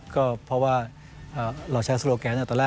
ก็เพราะว่าเราใช้โซโลแกนตอนแรก